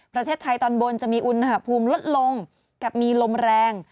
ประเทศไทยตอนบนจะมีอุณหภูมิลดลงกับมีลมแรง